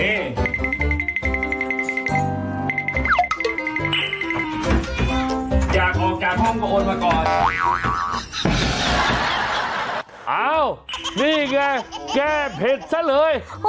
อ้าวนี่ไงแก้เผ็ดซะเลย